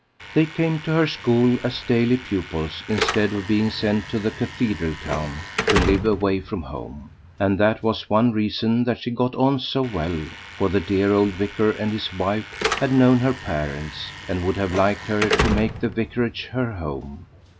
They came to her school as daily pupils instead of being sent to the cathedral town to live away from home; and that was one reason that she got on so well, for the dear old vicar and his wife had known her parents, and would have liked her to make the vicarage her home.